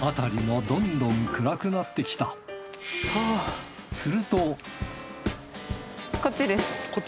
辺りもどんどん暗くなってきたこっち？